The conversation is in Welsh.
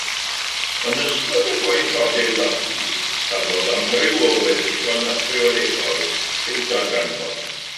Yn ystod y gwaith adeiladu cafodd amryw o weddillion archaeolegol eu darganfod.